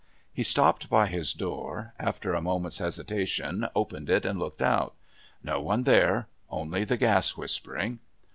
He stopped by his door, after a moment's hesitation opened it and looked out. No one there, only the gas whispering.